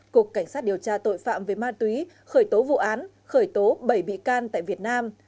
cục cảnh sát điều tra tội phạm về ma túy khởi tố vụ án khởi tố bảy bị can tại việt nam